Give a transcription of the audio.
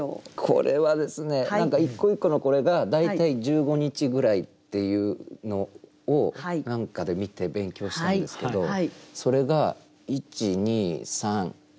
これはですね何か一個一個のこれが大体１５日ぐらいっていうのを何かで見て勉強したんですけどそれが１２３４５６個？